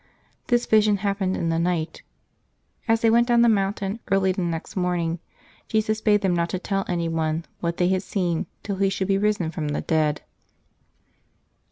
This vision happened in the night. As they went down the mountain early the next morning, Jesus bade them not to tell any one what they had seen till He should be risen from the dead.